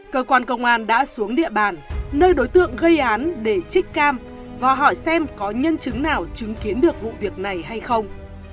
cơ quan công an đã xuống địa bàn nơi đối tượng gây án để trích cam và hỏi xem có nhân chứng nào chứng kiến được vụ việc này hay không